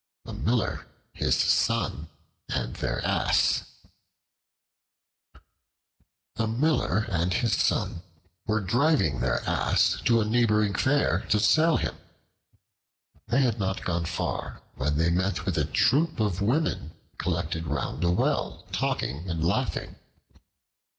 The Miller, His Son, and Their Ass A MILLER and his son were driving their Ass to a neighboring fair to sell him. They had not gone far when they met with a troop of women collected round a well, talking and laughing.